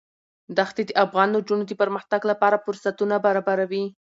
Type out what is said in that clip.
دښتې د افغان نجونو د پرمختګ لپاره فرصتونه برابروي.